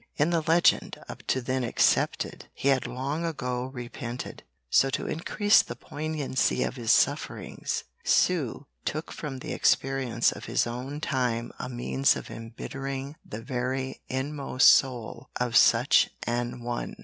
In the legend, up to then accepted, he had long ago repented; so to increase the poignancy of his sufferings, Sue took from the experience of his own time a means of embittering the very inmost soul of such an one.